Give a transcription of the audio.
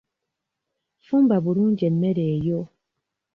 Fumba bulungi emmere eyo.